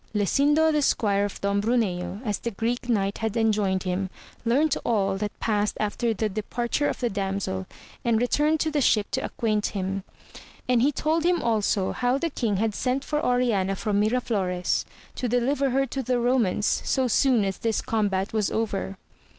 Lasindo the squire of Don Bruneo, as the Greek Knight had enjoined him, learnt all that passed after the departure of the damsel, and returned to the ship to acquaint him, and he told him also how the king had sent for Oriana from Miraflores, to deliver her to the Romans, so soon as this combat was over.